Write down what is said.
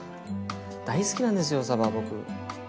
大好きなんですよさば僕。